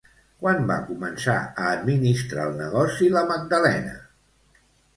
Quan va començar a administrar el negoci, la Magdalena?